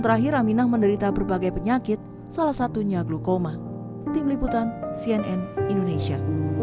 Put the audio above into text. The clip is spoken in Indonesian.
terakhir aminah menderita berbagai penyakit salah satunya glukoma tim liputan cnn indonesia